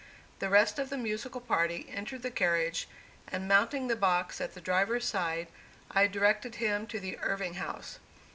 The rest of the musical party entered the carriage, and mounting the box at the driver's side, I directed him to the Irving House.